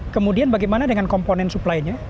kemudian bagaimana dengan komponen supply nya